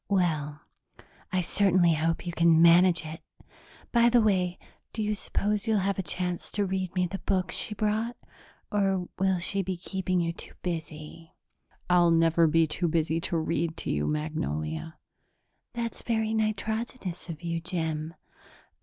"Well, I certainly hope you can manage it! By the way, do you suppose you'll have a chance to read me the books she brought, or will she be keeping you too busy?" "I'll never be too busy to read to you, Magnolia." "That's very nitrogenous of you, Jim.